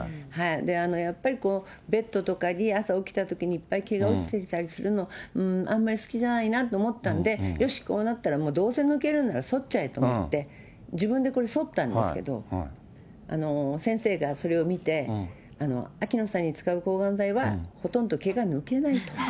やっぱりベッドとかに、朝起きたときにいっぱい毛が落ちてたりするの、あんまり好きじゃないなと思ったんで、よし、こうなったらもうどうせ抜けるんなら剃っちゃえと思って、自分でこれ、そったんですけど、先生がそれを見て、秋野さんに使う抗がん剤は、ほとんど毛が抜けないと。